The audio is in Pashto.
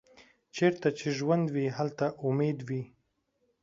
چیرته چې ژوند وي، هلته امید وي.